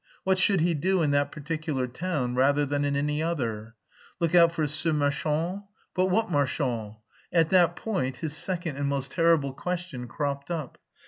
What should he do in that particular town rather than in any other? Look out for ce marchand? But what marchand? At that point his second and most terrible question cropped up.